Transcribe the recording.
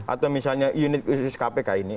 atau misalnya unit khusus kpk ini